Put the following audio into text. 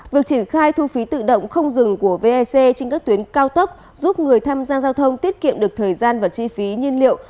việc triển khai thu phí tự động không dừng của vec trên các tuyến cao tốc giúp người tham gia giao thông tiết kiệm được thời gian và chi phí nhiên liệu